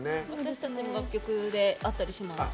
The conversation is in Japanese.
私たちも楽曲であったりします。